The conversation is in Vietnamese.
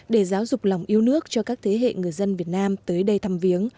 để giáo dục lòng yêu nước cho các thế hệ người dân việt nam tới đây thăm viếng